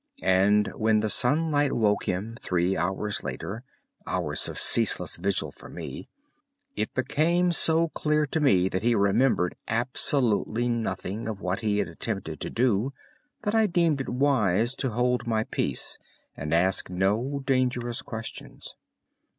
And when the sunlight woke him three hours later—hours of ceaseless vigil for me—it became so clear to me that he remembered absolutely nothing of what he had attempted to do, that I deemed it wise to hold my peace and ask no dangerous questions.